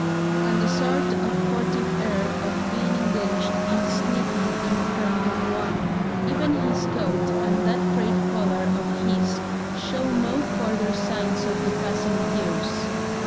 and a sort of furtive air of being engaged in sneaking in front of one; even his coat and that frayed collar of his show no further signs of the passing years.